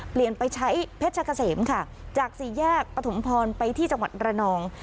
ปล่อยใช้เพศกระเสมจากสี่แยกปฐมพลไปที่จังหวัดระนอง